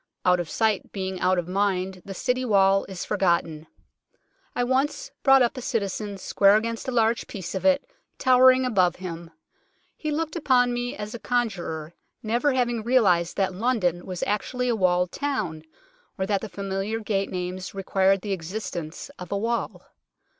Out of sight being out of mind, the City Wall is forgotten. I once brought up a citizen square against a large piece of it, tower ing above him. He looked upon me as a con jurer, never having realized that London was actually a walled town, or that the familiar gate names required the existence of a wall.